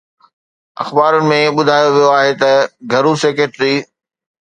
اخبارن ۾ ٻڌايو ويو آهي ته گهرو سيڪريٽري